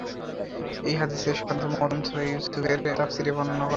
এই হাদীসের সনদ ও মতন সূরা ইউসুফের তাফসীরে বর্ণনা করা হয়েছে।